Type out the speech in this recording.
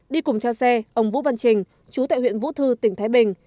đi cùng theo xe ông vũ văn trình chú tại huyện vũ thư tỉnh thái bình